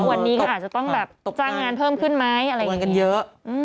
วันนี้ก็อาจจะต้องแบบจ้างงานเพิ่มขึ้นไหมอะไรอย่างนี้กันเยอะ